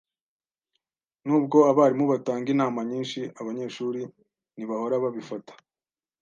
Nubwo abarimu batanga inama nyinshi, abanyeshuri ntibahora babifata.